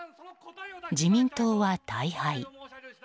自民党は大敗。